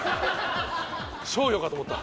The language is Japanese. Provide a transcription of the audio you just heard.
賞与かと思った。